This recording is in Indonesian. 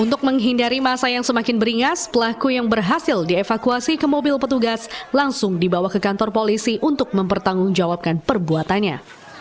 untuk menghindari masa yang semakin beringas pelaku yang berhasil dievakuasi ke mobil petugas langsung dibawa ke kantor polisi untuk mempertanggungjawabkan perbuatannya